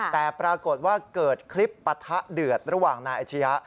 แต่ปรากฏว่าเกิดคลิปปะทะเดือดระหว่างนายอาชียะ